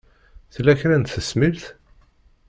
Tella kra n tesmilt?